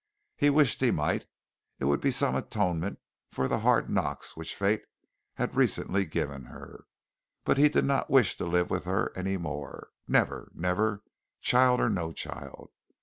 He wished he might. It would be some atonement for the hard knocks which fate had recently given her, but he did not wish to live with her any more. Never, never, child or no child.